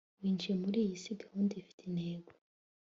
winjiye muri iyi si gahunda ifite intego